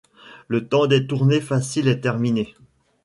Le temps des tournées faciles est terminé.